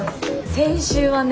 先週はね